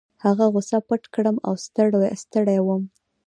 هغه غوسه پټه کړم او ستړی وم.